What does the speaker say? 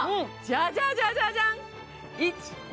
じゃじゃじゃじゃじゃん！